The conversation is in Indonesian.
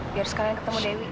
biar sekalian ketemu dewi